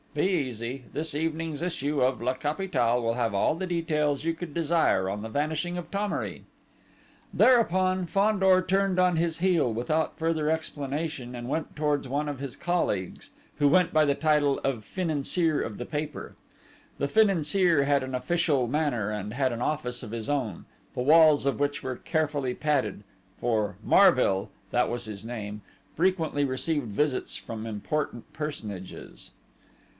Be easy: this evening's issue of La Capitale will have all the details you could desire on the vanishing of Thomery." Thereupon, Fandor turned on his heel without further explanation, and went towards one of his colleagues, who went by the title of "Financier of the paper." The Financier had an official manner, and had an office of his own, the walls of which were carefully padded, for Marville that was his name frequently received visits from important personages.